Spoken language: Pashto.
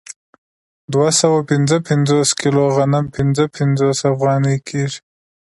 دوه سوه پنځه پنځوس کیلو غنم پنځه پنځوس افغانۍ کېږي